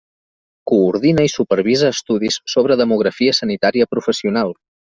Coordina i supervisa estudis sobre demografia sanitària professional.